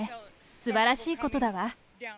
すばらしいことだわ。